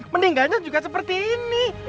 meninggalnya juga seperti ini